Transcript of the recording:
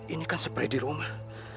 ini kan supply di rumah